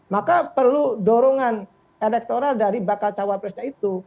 maka perlu dorongan elektoral dari bakal cawapresnya itu